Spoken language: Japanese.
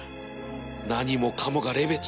何もかもがレベチ